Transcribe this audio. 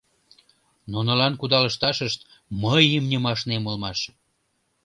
Нунылан кудалышташышт мый имньым ашнем улмаш.